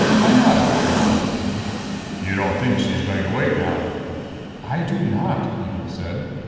Why not, after all?" "You don't think she's going to wait now?" "I do not," Mihul said.